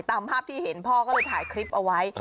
ตามภาพที่เห็นพ่อก็เลยถ่ายคลิปเอาไว้